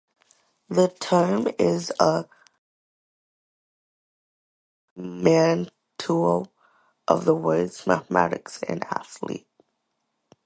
The term is a portmanteau of the words mathematics and athlete.